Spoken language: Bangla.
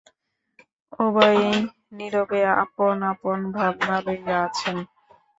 উভয়েই নীরবে আপন আপন ভাবনা লইয়া আছেন।